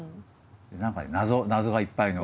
何か謎がいっぱいの。